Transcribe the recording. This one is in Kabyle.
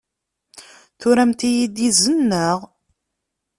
Turamt-iyi-d izen, naɣ?